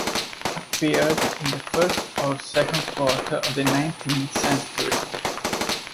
Appeared in the first or second quarter of the nineteenth century.